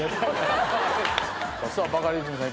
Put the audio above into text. バカリズムさん